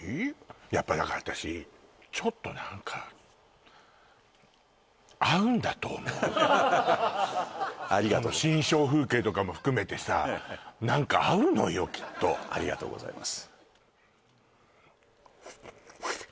やっぱだから私ちょっとなんかありがとうございます心象風景とかも含めてさなんか合うのよきっとありがとうございます